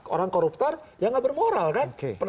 orang koruptor ya nggak bermoral kan